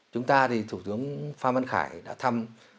chúng ta thì thủ tướng phan văn khải đã thăm